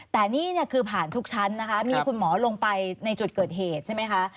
แต่นี่เนี่ยคือผ่านทุกชั้นนะคะมีคุณหมอลงไปในจุดเกิดเหตุใช่ไหมคะ